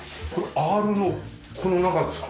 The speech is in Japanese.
アールのこの中ですか？